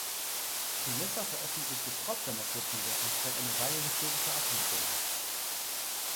Primisser veröffentlichte trotz seiner kurzen Wirkungszeit eine Reihe historischer Abhandlungen.